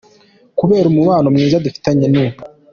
Kubera umubano mwiza dufitanye n’u